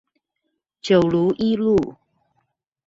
九如一路